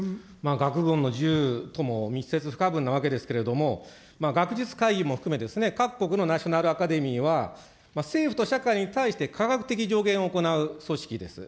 学問の自由とも密接不可分であるわけですけれども、学術会議も含め、各国のナショナルアカデミーは政府と社会に対して、科学的助言を行う組織です。